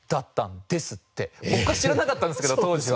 僕は知らなかったんですけど当時は。